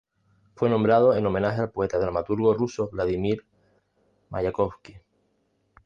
Fue nombrado en homenaje al poeta dramaturgo ruso Vladímir Mayakovski.